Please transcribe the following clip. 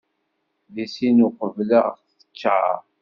Di sin uqbel ad ɣ-teččar.